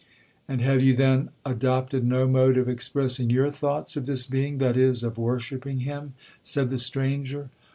'—'And have you then adopted no mode of expressing your thoughts of this Being, that is, of worshipping him?' said the stranger.